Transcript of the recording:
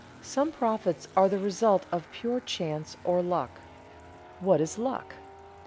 Some profits are the result of pure chance or luck. What is luck?